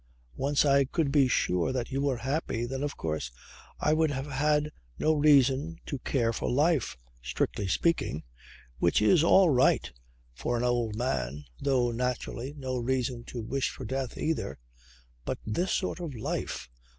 Once I could be sure that you were happy then of course I would have had no reason to care for life strictly speaking which is all right for an old man; though naturally ... no reason to wish for death either. But this sort of life!